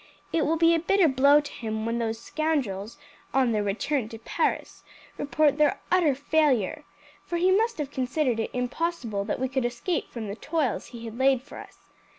It will be a bitter blow to him when those scoundrels, on their return to Paris, report their utter failure, for he must have considered it impossible that we could escape from the toils he had laid for us.